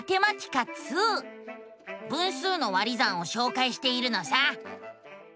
分数の「割り算」をしょうかいしているのさ。